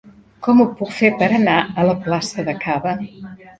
Com ho puc fer per anar a la plaça de Caba?